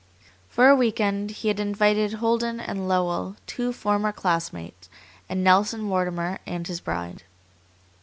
For a week end he had invited Holden and Lowell, two former classmates, and Nelson Mortimer and his bride.